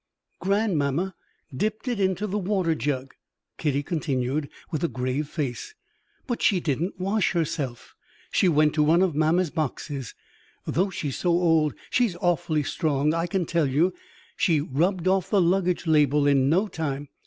"Grandmamma dipped it into the water jug," Kitty continued, with a grave face; "but she didn't wash herself. She went to one of mamma's boxes. Though she's so old, she's awfully strong, I can tell you. She rubbed off the luggage label in no time.